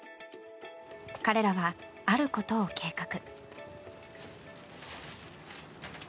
彼らは、あることを計画。